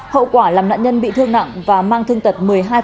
hậu quả làm nạn nhân bị thương nặng và mang thương tật một mươi hai